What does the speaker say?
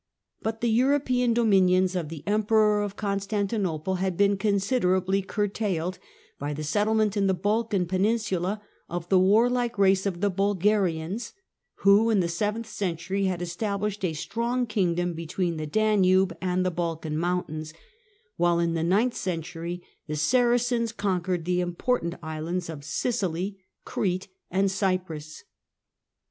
35), But the European dominions of the Emperor of Constantinople had been considerably curtailed by the settlement in the Balkan peninsula of the warlike race of the Bulgarians, who in the seventh century had established a strong kingdom between the Danube and the Balkan Mountains, while in the ninth century the Saracens conquered the important islands of Sicily, Crete and Cyprus.